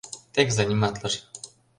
Тек заниматлыже.